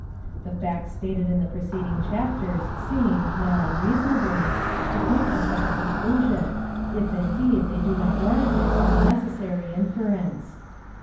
The facts stated in the preceding chapters seem, not unreasonably, to point to such a conclusion, if, indeed, they do not warrant it as a necessary inference.